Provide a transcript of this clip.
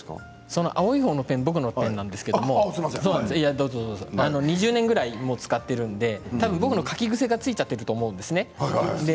その青いほうのペンは僕のものなんですけど２０年ぐらい使っているので僕の書き癖がついちゃってると思います。